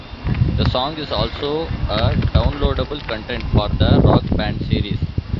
The song is also a downloadable content for the "Rock Band" series.